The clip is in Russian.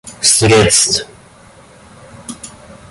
средств